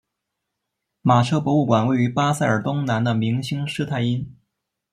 马车博物馆位于巴塞尔东南的明兴施泰因。